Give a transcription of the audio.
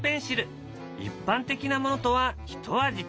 一般的なものとは一味違う。